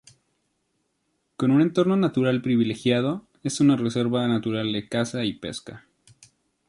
Con un entorno natural privilegiado, es una reserva natural de caza y pesca.